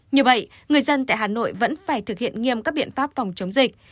như vậy người dân tại hà nội vẫn phải thực hiện nghiêm các biện pháp phòng chống dịch